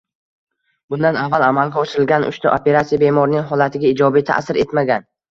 Bundan avval amalga oshirilgan uchta operatsiya bemorning holatiga ijobiy taʼsir etmagan.